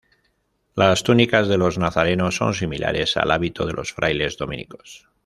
Las túnicas de los nazarenos son similares al hábito de los frailes dominicos.